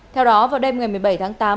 theo đó vào đêm ngày một mươi bảy tháng tám